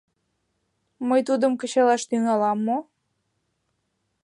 — Мый тудым кычалаш тӱҥалам мо?